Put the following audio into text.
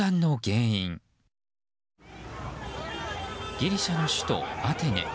ギリシャの首都アテネ。